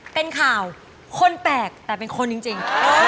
เป็นข่าวคนแปลกแต่เป็นคนจริง